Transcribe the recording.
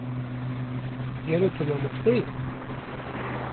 gelo tu mamoste yî?